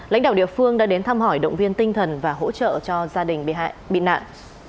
lãnh đạo địa phương đã đến thăm hỏi động viên tinh thần và hỗ trợ cho gia đình bị hại bị nạn